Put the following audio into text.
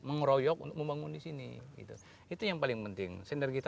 mengroyok untuk membangun di sini